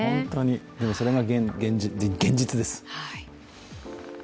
でもそれが現実です。